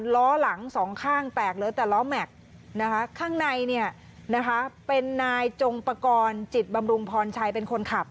ล้อหลังสองข้างแตกเหลือแต่ล้อแม็กซ์นะคะข้างในเป็นนายจงปกรณ์จิตบำรุงพรชัยเป็นคนขับ